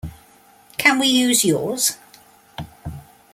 Can we use yours?